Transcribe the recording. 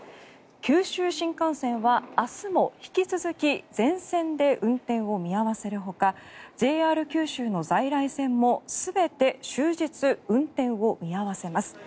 九州新幹線は明日も引き続き全線で運転を見合わせるほかＪＲ九州の在来線も全て終日運転を見合わせます。